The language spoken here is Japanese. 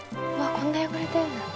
こんな汚れてるんだ。